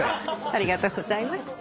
ありがとうございます。